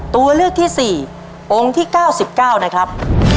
ตัวเลือกที่๔องค์ที่๙๙นะครับ